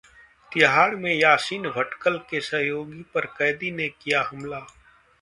तिहाड़ में यासीन भटकल के सहयोगी पर कैदी ने किया हमला